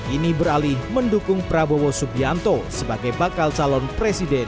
ini beralih mendukung prabowo subianto sebagai bakal calon presiden dua ribu dua puluh empat